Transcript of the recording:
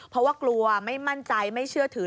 เพราะว่ากลัวไม่มั่นใจไม่เชื่อถือ